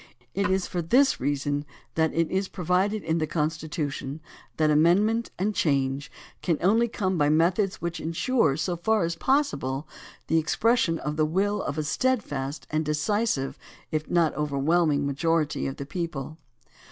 It is for this reason that it is pro vided in the Constitution that amendment and change can only come by methods which insure, so far as pos sible, the expression of the will of a steadfast and de cisive if not overwhelming majority of the people.